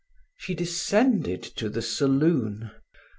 She descended to the saloon.